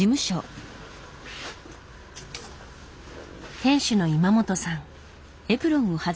店主の今本さん。